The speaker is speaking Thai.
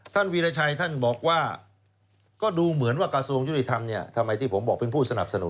วีรชัยท่านบอกว่าก็ดูเหมือนว่ากระทรวงยุติธรรมเนี่ยทำไมที่ผมบอกเป็นผู้สนับสนุน